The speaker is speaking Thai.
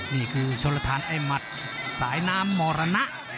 นี่คือชนลทานไอ้หมัดสายน้ำมรณะ